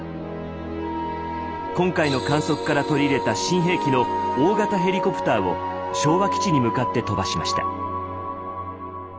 今回の観測から取り入れた新兵器の大型ヘリコプターを昭和基地に向かって飛ばしました。